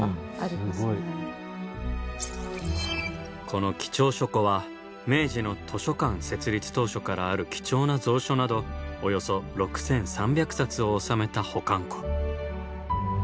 この「貴重書庫」は明治の図書館設立当初からある貴重な蔵書などおよそ６，３００冊を収めた保管庫。